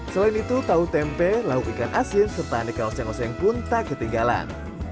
selain itu tahu tempe lauk ikan asin serta aneka oseng oseng pun tak ketinggalan